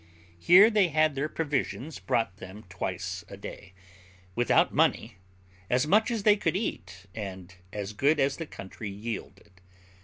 Here they had their provisions brought them twice a day, without money, as much as they could eat, and as good as the country yielded.